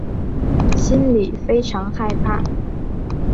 心里非常害怕